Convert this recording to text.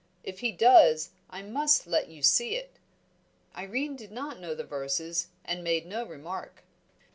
If he does I must let you see it." Irene did not know the verses and made no remark.